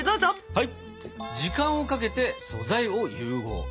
はい。